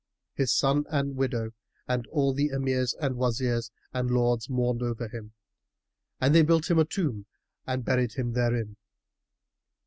His son and widow and all the Emirs and Wazirs and Lords mourned over him, and they built him a tomb and buried him therein.